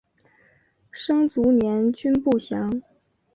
生卒年均不详。